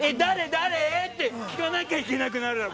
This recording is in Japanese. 誰？って聞かなきゃいけなくなるのよ